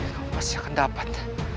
kamu pasti akan dapat